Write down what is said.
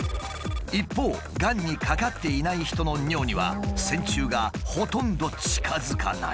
一方がんにかかっていない人の尿には線虫がほとんど近づかない。